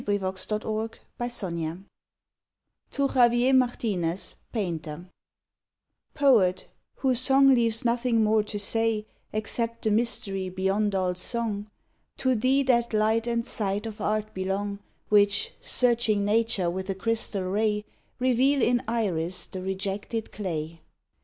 109 PERSONAL POEMS TO XAVIER MARTINEZ, PAINTER Poet, whose song leaves nothing more to say Except the mystery beyond all song, To thee that light and sight of Art belong Which, searching Nature with a crystal ray, Reveal in iris the rejected clay.